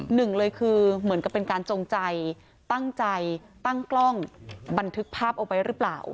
หนึ่งเลยคือเหมือนกับเป็นการจงใจตั้งใจตั้งกล้องบันทึกภาพเอาไว้หรือเปล่า